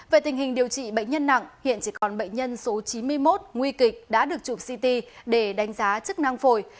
về tình hình điều trị bệnh nhân nặng hiện chỉ còn bệnh nhân số chín mươi một nguy kịch đã được chụp ct để đánh giá chức năng phổi